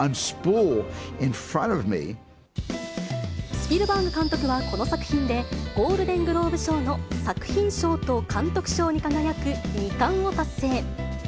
スピルバーグ監督はこの作品で、ゴールデングローブ賞の作品賞と監督賞に輝く２冠を達成。